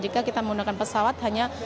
jika kita menggunakan pesawat hanya